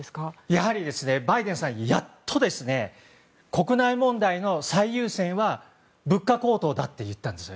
やはりバイデンさんは国内問題の最優先は物価高騰だと言ったんです。